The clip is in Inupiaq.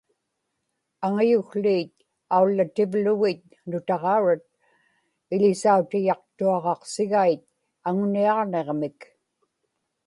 aŋayukłiit aullautivlugit nutaġaurat iḷisautiyaqtuaġaqsigait aŋuniaġniġmik